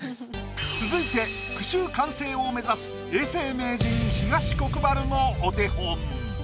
続いて句集完成を目指す永世名人東国原のお手本。